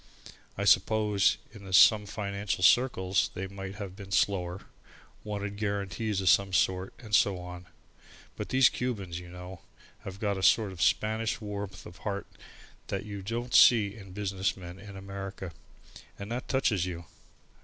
I suppose in some financial circles they might have been slower, wanted guarantees of some sort, and so on, but these Cubans, you know, have got a sort of Spanish warmth of heart that you don't see in business men in America, and that touches you.